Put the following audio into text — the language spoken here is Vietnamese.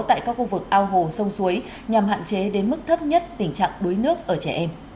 tại các khu vực ao hồ sông suối nhằm hạn chế đến mức thấp nhất tình trạng đuối nước ở trẻ em